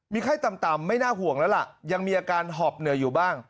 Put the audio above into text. ไข้ต่ำไม่น่าห่วงแล้วล่ะยังมีอาการหอบเหนื่อยอยู่บ้าง